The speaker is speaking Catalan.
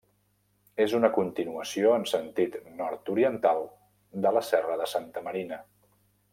És una continuació en sentit nord-oriental de la serra de Santa Marina.